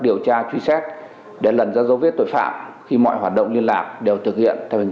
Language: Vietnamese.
điều tra truy xét để lần ra dấu vết tội phạm khi mọi hoạt động liên lạc đều thực hiện theo hình